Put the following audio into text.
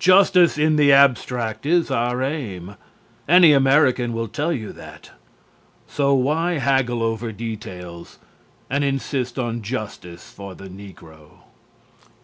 Justice in the abstract is our aim any American will tell you that so why haggle over details and insist on justice for the negro?